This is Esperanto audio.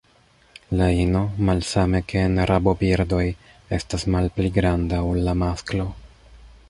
La ino, malsame ke en rabobirdoj, estas malpli granda ol la masklo.